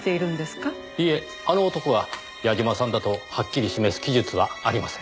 いえ「あの男」は矢嶋さんだとはっきり示す記述はありません。